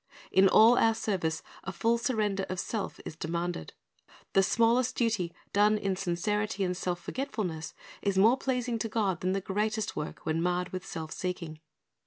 In all our service a full surrender of self is demanded. The smallest duty done in sincerity and self forgetfulness, is more pleasing to God than the greatest work when marred with self seeking.